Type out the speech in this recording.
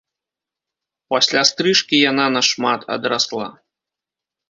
Пасля стрыжкі яна на шмат адрасла.